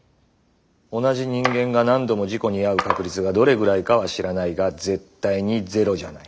同じ人間が何度も事故に遭う確率がどれぐらいかは知らないが絶対にゼロじゃない。